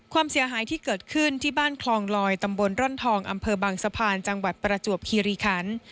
ความเสียหายที่เกิดขึ้นที่บ้านคลองลอยตำบลร่อนทองอำเภอบางสะพานจังหวัดประจวบคีรีคัน